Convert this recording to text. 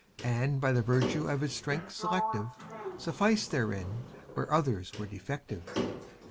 And by the virtue of his strength selective Suf&ced therein, where others were defective.